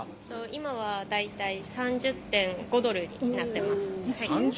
今は大体３０．５ドルになっています。